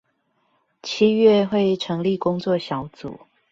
七月會成立工作小組